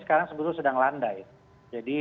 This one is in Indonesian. sekarang sebetulnya sedang landai jadi